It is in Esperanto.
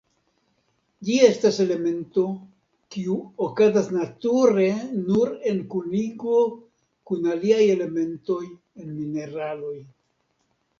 Ĝi estas elemento kiu okazas nature nur en kunigo kun aliaj elementoj en mineraloj.